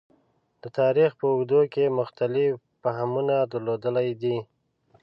د تاریخ په اوږدو کې مختلف فهمونه درلودلي دي.